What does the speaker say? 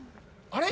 あれ？